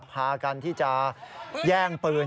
พากันที่จะแย่งปืน